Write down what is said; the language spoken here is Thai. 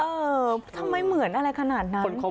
เออทำไมเหมือนอะไรขนาดนั้น